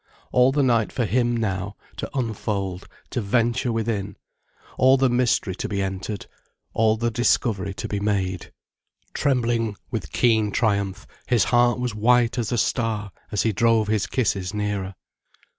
All the night for him now, to unfold, to venture within, all the mystery to be entered, all the discovery to be made. Trembling with keen triumph, his heart was white as a star as he drove his kisses nearer.